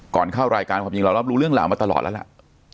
ก่อนเข้ารายการความจริงเรารับรู้เรื่องราวมาตลอดแล้วล่ะ